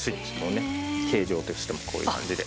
形状としてもこういう感じで。